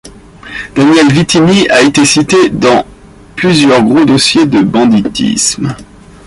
Daniel Vittini a été cité dans plusieurs gros dossiers de banditisme.